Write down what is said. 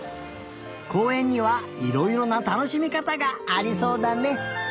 こうえんにはいろいろなたのしみかたがありそうだね。